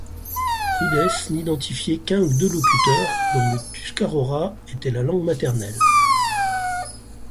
Rudes n'identifiait qu'un ou deux locuteurs dont le tuscarora était la langue maternelle.